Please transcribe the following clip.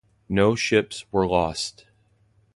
No ships were lost.